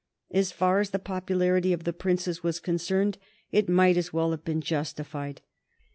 As far as the popularity of the Princess was concerned it might as well have been justified.